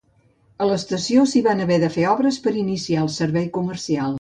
A l'estació s'hi van haver de fer obres per iniciar el servei comercial.